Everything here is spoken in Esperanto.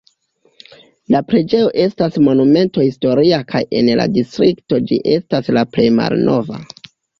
La preĝejo estas Monumento historia kaj en la distrikto ĝi estas la plej malnova.